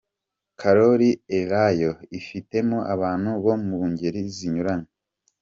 Korali Elayo ifitemo abantu bo mu ngeri zinyuranye,.